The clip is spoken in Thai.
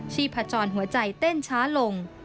พจรหัวใจเต้นช้าลง